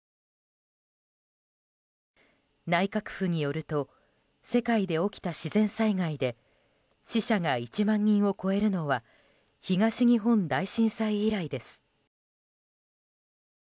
内閣府によると世界で起きた自然災害で死者が１万人を超えるのは東日本大震災以来です。